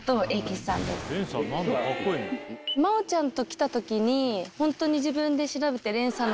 真央ちゃんと来た時にホントに。